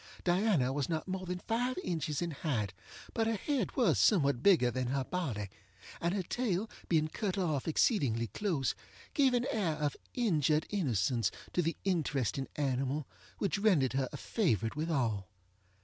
Diana was not more than five inches in height, but her head was somewhat bigger than her body, and her tail being cut off exceedingly close, gave an air of injured innocence to the interesting animal which rendered her a favorite with all.